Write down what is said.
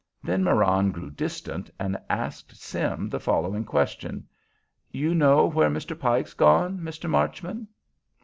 Then Marann grew distant, and asked Sim the following question: "You know where Mr. Pike's gone, Mr. Marchman?"